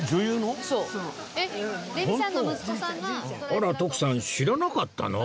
あら徳さん知らなかったの？